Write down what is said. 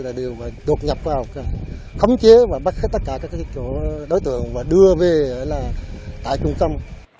nói chung là các chốt nào có đối tượng thì tổ chúng tôi đột nhập vào khống chế và bắt hết tất cả các chỗ đối tượng và đưa về tại trung tâm